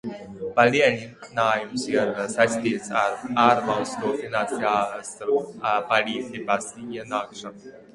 Palielinājums ir saistīts ar ārvalstu finansiālās palīdzības ienākšanu.